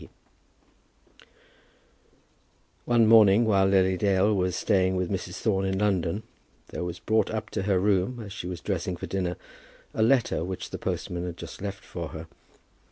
D. One morning, while Lily Dale was staying with Mrs. Thorne in London, there was brought up to her room, as she was dressing for dinner, a letter which the postman had just left for her.